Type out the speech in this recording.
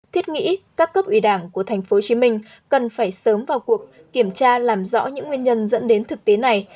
thiết nghĩ các cấp ủy đảng của thành phố hồ chí minh cần phải sớm vào cuộc kiểm tra làm rõ những nguyên nhân dẫn đến thực tế này